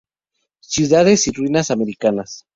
Ciudades y ruinas americanas.